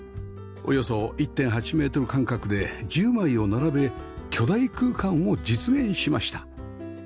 およそ １．８ メートル間隔で１０枚を並べ巨大空間を実現しました